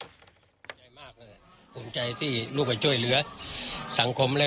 ดีใจดีใจมากเด็กรอดชีวิตมาได้ก็เหนือสิ่งอื่นใดแล้ว